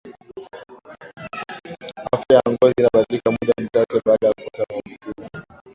afya ya ngozi inabadilika muda mchache baada ya kupata maambukizi